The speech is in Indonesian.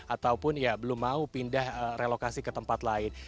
ataupun ya belum mau pindah relokasi ke tempat lain